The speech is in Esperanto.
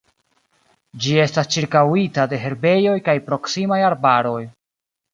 Ĝi estas ĉirkaŭita de herbejoj kaj proksimaj arbaroj.